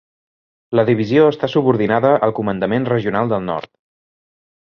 La divisió està subordinada al Comandament Regional del Nord.